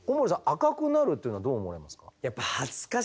赤くなるというのはどう思われますか？